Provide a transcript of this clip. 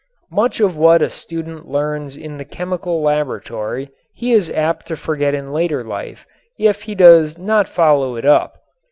Much of what a student learns in the chemical laboratory he is apt to forget in later life if he does not follow it up.